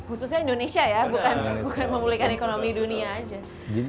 khususnya indonesia ya bukan memulihkan ekonomi dunia aja